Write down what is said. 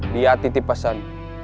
dia titip pesan